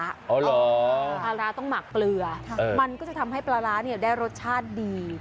อ๋อเหรอปลาร้าต้องหมักเกลือมันก็จะทำให้ปลาร้าเนี่ยได้รสชาติดี